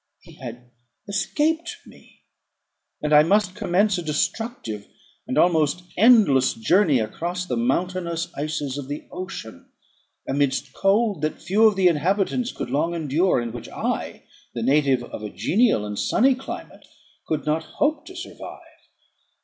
He had escaped me; and I must commence a destructive and almost endless journey across the mountainous ices of the ocean, amidst cold that few of the inhabitants could long endure, and which I, the native of a genial and sunny climate, could not hope to survive.